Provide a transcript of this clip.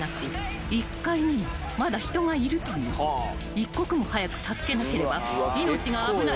［一刻も早く助けなければ命が危ない］